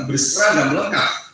berserang dan melengkap